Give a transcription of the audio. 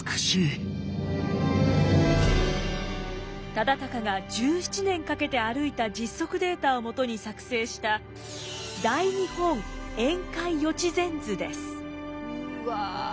忠敬が１７年かけて歩いた実測データをもとに作成したうわ